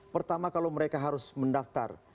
pertama kalau mereka harus mendaftar